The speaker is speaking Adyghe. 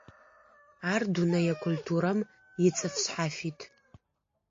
Ар дунэе культурэм ицӀыф шъхьафит.